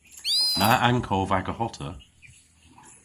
Na ankov aga hota!